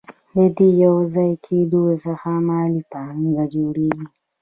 د دې یوځای کېدو څخه مالي پانګه جوړېږي